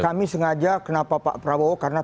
kami sengaja kenapa pak prabowo karena